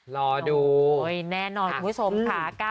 รอดูแน่นอนคุณผู้ชมค่ะ